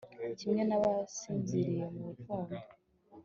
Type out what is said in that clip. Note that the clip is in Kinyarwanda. kimwe n'abasinziriye mu rukundo